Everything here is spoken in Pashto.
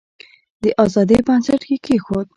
د آزادی بنسټ کښېښود.